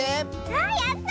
あやった！